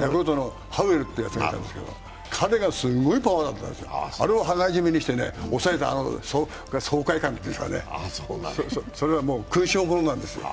ヤクルトにハウエルってやつがいたんですけど、彼がすんごいパワーだったんですよ、あれを羽交い締めにして押さえた爽快感といいますかね、それは勲章ものなんですよ。